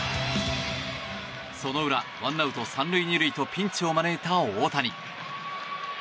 その裏、ワンアウト３塁２塁とピンチを招いた大谷。